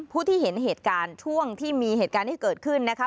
ผู้ที่เห็นเหตุการณ์ช่วงที่มีเหตุการณ์ที่เกิดขึ้นนะคะ